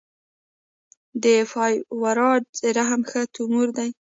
د فایبروایډ د رحم ښه تومور دی.